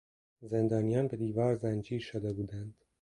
زندانیان به دیوار زنجیر شده بودند.